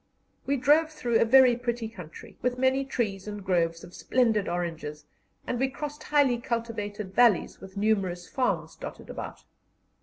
We drove through a very pretty country, with many trees and groves of splendid oranges, and we crossed highly cultivated valleys, with numerous farms dotted about.